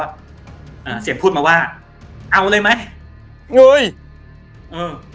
อ่าเสียงพูดมาว่าเอาเลยไหมเงยเออ